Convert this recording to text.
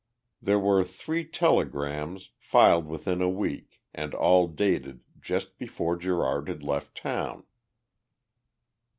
There were three telegrams, filed within a week and all dated just before Gerard had left town.